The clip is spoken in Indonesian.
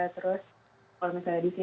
terus kalau misalnya di sini